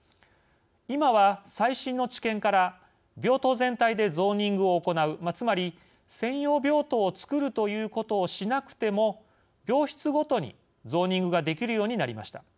今は最新の知見から病棟全体でゾーニングを行うつまり専用病棟をつくるということをしなくても病室ごとにゾーニングができるようになりました。